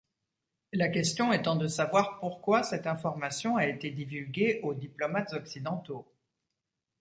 La question étant de savoir pourquoi cette information a été divulguée aux diplomates occidentaux.